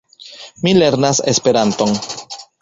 Mi lernas Esperanton.